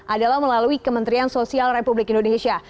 adalah melalui kementerian sosial republik indonesia